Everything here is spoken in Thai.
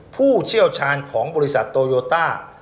ผู้เชี่ยวชาญของบริษัทโตโยต้า